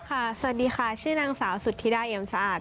สวัสดีค่ะชื่อนางสาวสุธิดาเอียมสะอาด